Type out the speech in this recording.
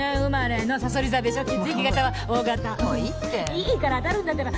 いいから当たるんだってば。